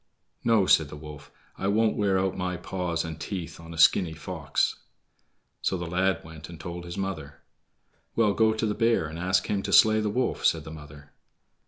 "No," said the wolf, "I won't wear out my paws and teeth on a skinny fox." So the lad went and told his mother. "Well, go to the bear and ask him to slay the wolf," said the mother.